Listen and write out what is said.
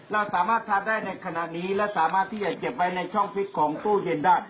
เราสามารถทานได้ในขณะนี้และสามารถที่จะเก็บไว้ในช่องพริกของตู้เย็นได้